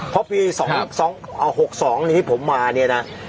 เพราะปี๒๖๒ที่ผมมาเนี่ยนะ